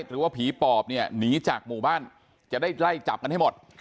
หรือว่าผีปอบเนี่ยหนีจากหมู่บ้านจะได้ไล่จับกันให้หมด